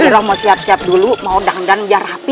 iroh mau siap siap dulu mau dandan biar rapi